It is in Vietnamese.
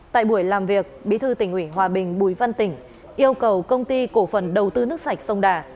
tại buổi làm việc bí thư tỉnh ủy hòa bình bùi văn tỉnh yêu cầu công ty cổ phần đầu tư nước sạch sông đà